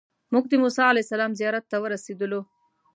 موږ د موسی علیه السلام زیارت ته ورسېدلو.